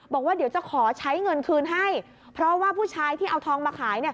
บอกว่าเดี๋ยวจะขอใช้เงินคืนให้เพราะว่าผู้ชายที่เอาทองมาขาย